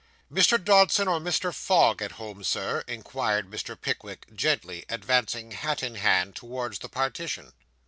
'Mr. Dodson or Mr. Fogg at home, sir?' inquired Mr. Pickwick, gently, advancing, hat in hand, towards the partition.